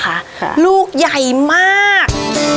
ค่ะลูกใหญ่มาก